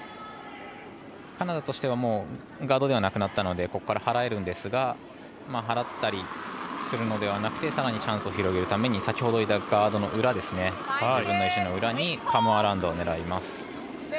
カナダとしてはガードではなくなったのでここから払えるんですが払ったりするのではなくてさらにチャンスを広げるために先ほど置いたガードの裏自分の石の裏にカムアラウンドを狙います。